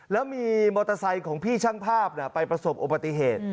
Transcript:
แล้วมีมอเตอร์ไซค์ของพี่ช่างภาพไปประสบอุบัติเหตุ